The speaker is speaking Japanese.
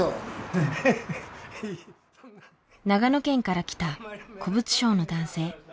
長野県から来た古物商の男性。